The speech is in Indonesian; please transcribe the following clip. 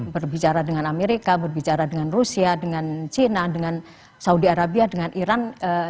berbicara dengan amerika berbicara dengan rusia dengan china dengan saudi arabia dengan iran